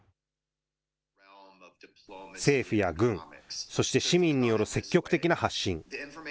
政府や軍、そして市民による積極的な発信。